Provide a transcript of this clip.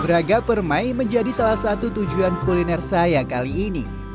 braga permai menjadi salah satu tujuan kuliner saya kali ini